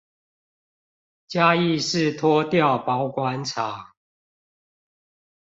嘉義市拖吊保管場